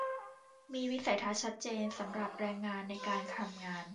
มีวิสัยทัศน์ชัดเจนสำหรับแรงงานในการทำงาน